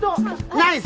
ナイス！